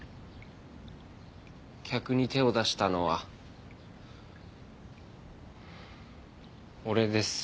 客に手を出したのは俺です。